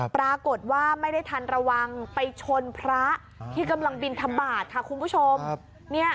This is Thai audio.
ปรากฏว่าไม่ได้ทันระวังไปชนพระที่กำลังบินทบาทค่ะคุณผู้ชม